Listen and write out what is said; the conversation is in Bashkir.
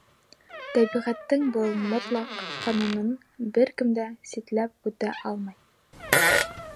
Тәбиғәттең был мотлаҡ ҡанунын бер кем дә ситләп үтә алмай.